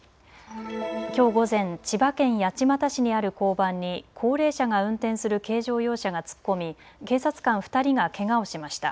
きょう午前、千葉県八街市にある交番に高齢者が運転する軽乗用車が突っ込み、警察官２人がけがをしました。